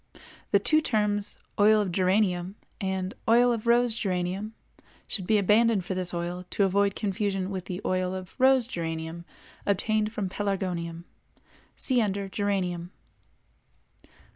—The two terms "Oil of Geranium" and "Oil of Rose Geranium" should be abandoned for this oil, to avoid confusion with the "Oil of (Rose) Geranium" obtained from Pelargonium. See under "Geranium."